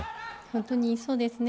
本当にそうですね。